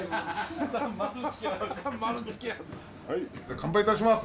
乾杯いたします。